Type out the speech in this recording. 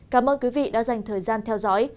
cảm ơn quý vị đã dành thời gian theo dõi